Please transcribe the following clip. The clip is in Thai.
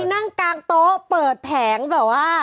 นั่งกลางโต๊ะเปิดแผงแบบว่า